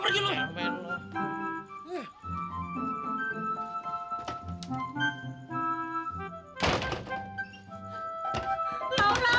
ya udah main dulu